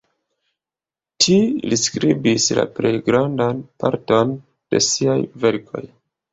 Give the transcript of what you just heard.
Ti li skribis la plej grandan parton de siaj verkoj.